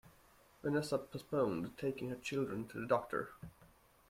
Vanessa postponed taking her children to the doctor.